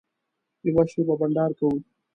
یوه شېبه بنډار کوو.